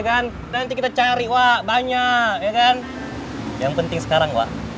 kan nanti kita cari wah banyak yang penting sekarang